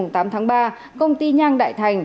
tám tháng ba công ty nhang đại thành